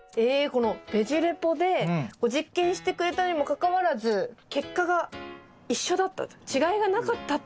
このベジ・レポで実験してくれたにもかかわらず結果が一緒だったと違いがなかったっていうことだったんですか？